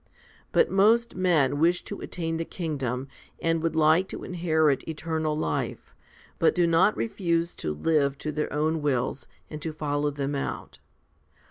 But most men wish to attain the kingdom, and would like to inherit eternal life, but do not refuse to live to their own wills and to follow them out.